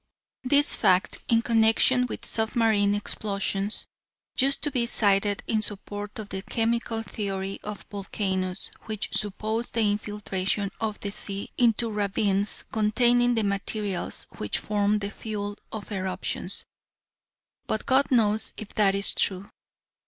This fact, in connection with submarine explosions, used to be cited in support of the chemical theory of volcanoes, which supposed the infiltration of the sea into ravines containing the materials which form the fuel of eruptions: but God knows if that is true.